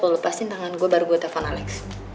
lo lepasin tangan gue baru gue tevan alex